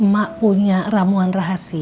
mak punya ramuan rahasia